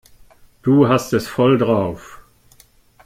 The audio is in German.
Du hast es voll drauf.